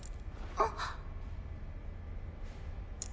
あっ。